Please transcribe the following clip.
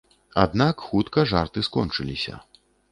Аднак хутка жарты скончыліся.